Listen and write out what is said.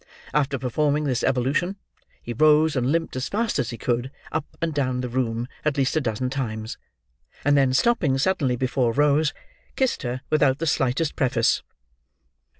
After performing this evolution, he rose and limped as fast as he could up and down the room at least a dozen times, and then stopping suddenly before Rose, kissed her without the slightest preface.